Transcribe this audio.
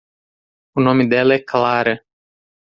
O nome dela é Clara.